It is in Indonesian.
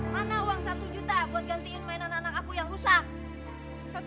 mana uang satu juta buat gantiin mainan anak aku yang rusak